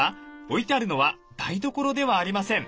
置いてあるのは台所ではありません。